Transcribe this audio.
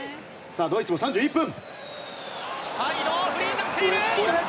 さあ、ドイツも３１分。